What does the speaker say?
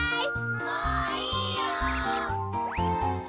・もういいよ。